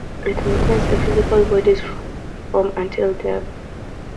It maintains the physical body's form until death.